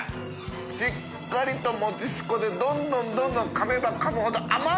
しっかりともちしこで匹鵑匹どんどんかめばかむほど甘い！